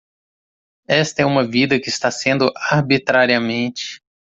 Esta é uma vida que está sendo arbitrariamente